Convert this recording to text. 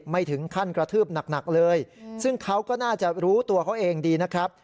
ไม่ถึงขั้นกระทืบหนักเลยซึ่งเขาก็น่าจะรู้ตัวเขาเองดีนะครับ